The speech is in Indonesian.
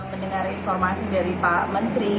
mendengar informasi dari pak menteri